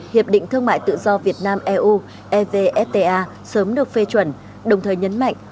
hiệp định thương mại tự do việt nam eu evfta sớm được phê chuẩn đồng thời nhấn mạnh